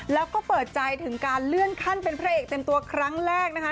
แล้วก็เปิดใจถึงการเลื่อนขั้นเป็นพระเอกเต็มตัวครั้งแรกนะคะ